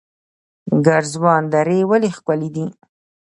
ګرزوان درې ولې ښکلې دي؟